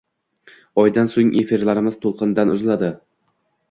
oydan so‘ng efirlarimiz to‘lqindan uziladi.